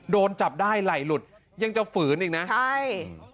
โดนจับได้ไหล่หลุดยังจะฝืนอีกนะใช่